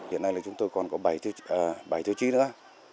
hiện nay là chúng tôi còn có bảy tiêu chí nữa